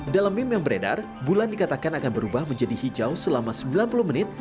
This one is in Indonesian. dalam meme yang beredar bulan dikatakan akan berubah menjadi hijau selama sembilan puluh menit